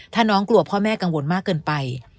ถ้าน้องกลัวพ่อแม่กังวลมากเกินไป